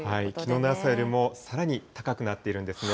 きのうの朝よりも、さらに高くなっているんですね。